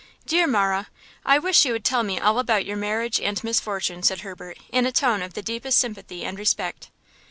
"Dear Marah, I wish you would tell me all about your marriage and misfortunes," said Herbert, in a tone of the deepest sympathy and respect.